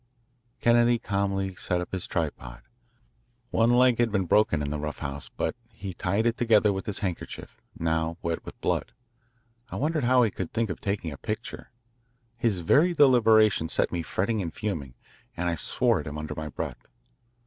Kennedy calmly set up his tripod. One leg had been broken in the rough house, but he tied it together with his handkerchief, now wet with blood. I wondered how he could think of taking a picture. His very deliberation set me fretting and fuming, and I swore at him under my breath.